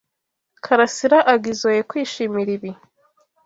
Karasira agizoe kwishimira ibi.